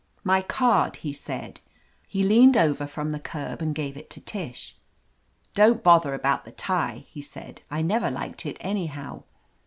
"My card," he said. He leaned over from the curb and gave it to Tish, "Don't bother about the tie," he said. "I never liked it anyhow.